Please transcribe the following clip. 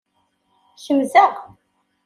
Kemzeɣ.